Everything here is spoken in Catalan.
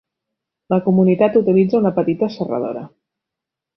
La comunitat utilitza una petita serradora.